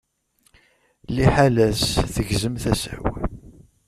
Liḥala-s, tegzem tasa-w.